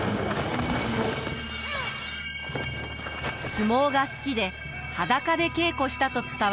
相撲が好きで裸で稽古したと伝わる信長。